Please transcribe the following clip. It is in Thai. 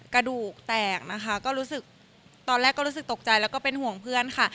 กระดูกแตกนะคะก็รู้สึกตอนแรกก็รู้สึกตกใจแล้วก็เป็นห่วงเพื่อนค่ะ